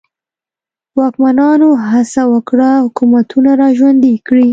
واکمنانو هڅه وکړه حکومتونه را ژوندي کړي.